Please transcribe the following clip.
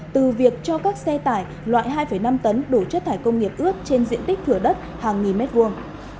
từ việc cho các xe tải loại hai năm tấn đủ chất thải công nghiệp ướt trên diện tích thửa đất hàng nghìn mét vuông